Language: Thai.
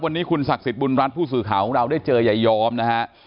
วันนี้คุณศักดิ์สิทธิบุญรัฐผู้สื่อข่าวของเราได้เจอยายอมนะฮะ